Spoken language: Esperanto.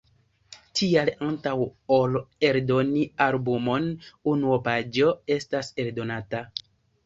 Tial, antaŭ ol eldoni albumon, unuopaĵo estas eldonata.